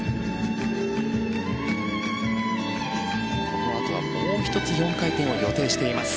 このあとはもう１つ４回転を予定しています。